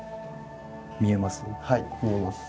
見えます？